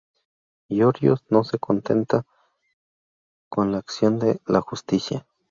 Giorgio no se contenta con la acción de la justicia.